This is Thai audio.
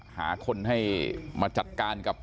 หาคนให้มาจัดการกับ